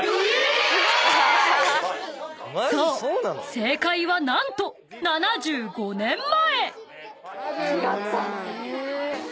正解は何と７５年前！］